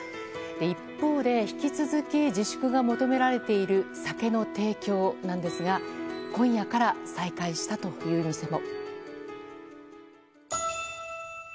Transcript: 一方で引き続き自粛が求められている酒の提供なんですが今夜から再開したというお店も。